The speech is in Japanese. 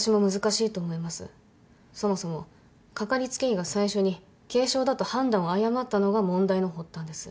そもそもかかりつけ医が最初に軽症だと判断を誤ったのが問題の発端です。